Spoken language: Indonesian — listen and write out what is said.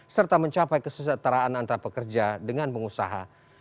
serta mencapai kesejahteraan antara pekerja dengan pengusaha